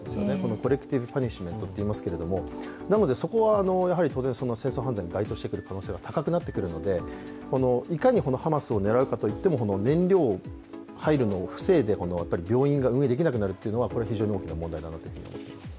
コレクティブパニッシュメントといいますけれども、なのでそこは当然、戦争犯罪に該当する可能性が高くなりますので、いかにハマスを狙うかといっても燃料が入るのを防いで病院が運営できなくなるというのは非常に大きな問題だと思います。